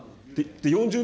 ４０年